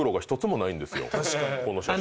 この写真。